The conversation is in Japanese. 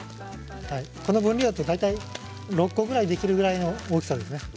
この分量だと６個ぐらいできるぐらいの大きさですね。